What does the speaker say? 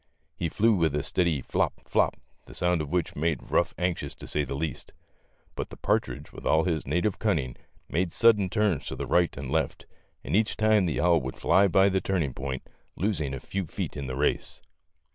He flew with a steady flop, flop, the sound of which .made Ruff anxious, to say the least. But the partridge with all his native cunning made sudden turns to the right and left, and each time the owl would fly by the turning point, losing a few feet in the race.